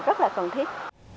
rất là cần thiết